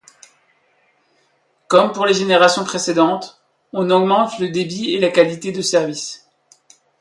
Comme pour les générations précédentes, on augmente le débit et la qualité de service.